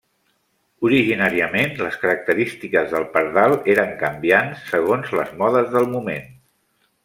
Originàriament les característiques del pardal eren canviants segons les modes del moment.